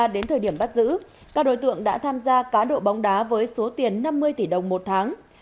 đến thời điểm bắt giữ các đối tượng đã tham gia cá độ bóng đá với số tiền năm mươi tỷ đồng một tháng